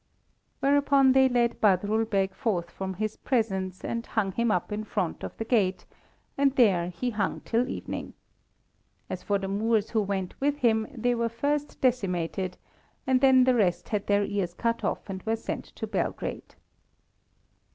Whereupon they led Badrul Beg forth from his presence, and hung him up in front of the gate, and there he hung till evening. As for the Moors who were with him, they were first decimated, and then the rest had their ears cut off and were sent to Belgrade.